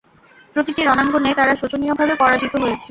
প্রতিটি রণাঙ্গনে তারা শোচনীয়ভাবে পরাজিত হয়েছে।